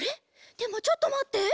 でもちょっとまって。